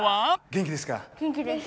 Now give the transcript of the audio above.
元気です！